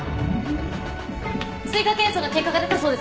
追加検査の結果が出たそうです。